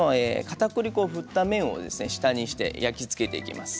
かたくり粉を振った面を下にして焼き付けていきます。